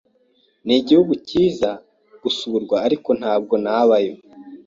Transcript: Nigihugu cyiza gusurwa, ariko ntabwo nabayo.